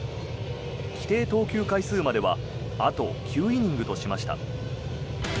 規定投球回数まではあと９イニングとしました。